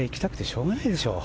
しょうがないでしょう。